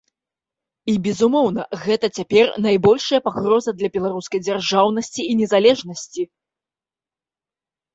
І, безумоўна, гэта цяпер найбольшая пагроза для беларускай дзяржаўнасці і незалежнасці.